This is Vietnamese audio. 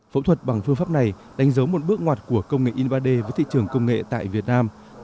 phẫu thuật bằng phương pháp này đánh dấu một bước ngoặt của công nghệ in ba d với thị trường công nghệ tại việt nam